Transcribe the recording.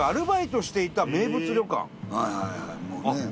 はいはいはいもうね。